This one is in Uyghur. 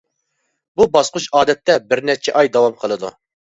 بۇ باسقۇچ ئادەتتە بىرنەچچە ئاي داۋام قىلىدۇ.